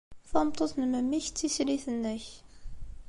Tameṭṭut n memmi-k d tislit-nnek.